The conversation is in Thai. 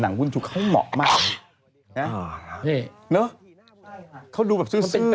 นี่หน้ากระบบ